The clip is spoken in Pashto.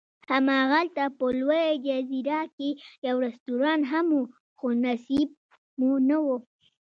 هماغلته په لویه جزیره کې یو رستورانت هم و، خو نصیب مو نه و.